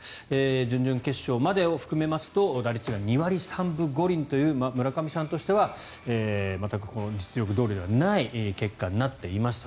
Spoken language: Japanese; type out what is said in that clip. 準々決勝までを含めると打率が２割３分５厘という村上さんとしては全く実力どおりではない結果になっていました。